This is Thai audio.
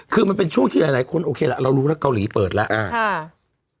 คือมันเป็นช่วงที่หลายหลายคนโอเคละเรารู้ว่าเกาหลีเปิดแล้วอ่าค่ะ